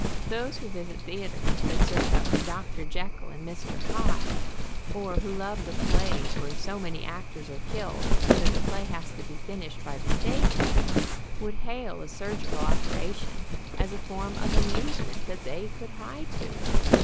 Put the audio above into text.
Those who visit theaters that serve up Dr. Jekyl and Mr. Hyde, or who love the plays where so many actors are killed that the play has to be fin ished by the stage hands, would hail a surgical op eration as a form of amusement that they could hie to.